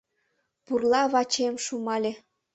Пурла вачем шумале.